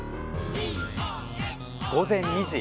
午前２時。